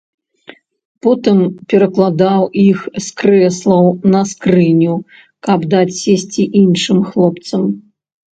Потым перакладаў іх з крэслаў на скрыню, каб даць сесці іншым хлопцам.